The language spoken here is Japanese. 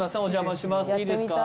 お邪魔します。